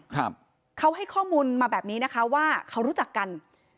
ครับเขาให้ข้อมูลมาแบบนี้นะคะว่าเขารู้จักกัน